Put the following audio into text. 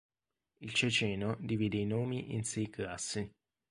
Il ceceno divide i nomi in sei classi.